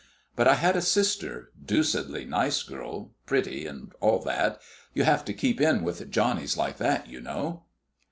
But I had a sister, deuced nice girl, pretty, and all that. You have to keep in with Johnnies like that, you know.